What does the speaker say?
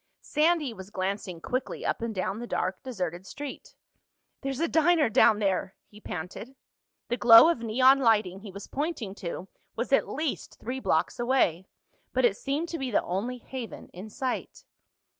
Sandy was glancing quickly up and down the dark deserted street. "There's a diner down there!" he panted. The glow of neon lighting he was pointing to was at least three blocks away, but it seemed to be the only haven in sight.